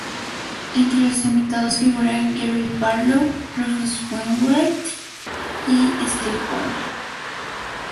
Entre los invitados figuran Gary Barlow, Rufus Wainwright y Stevie Wonder.